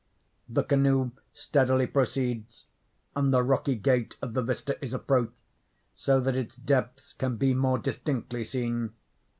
The canoe steadily proceeds, and the rocky gate of the vista is approached, so that its depths can be more distinctly seen.